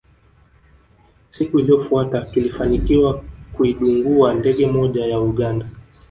Siku iliyofuata kilifanikiwa kuidungua ndege moja ya Uganda